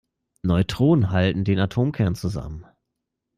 Neutronen halten den Atomkern zusammen.